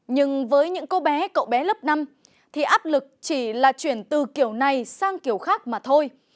nhưng với những cô bé cậu bé lớp năm thì áp lực chỉ là chuyển từ kiểu này sang kiểu khác mà thôi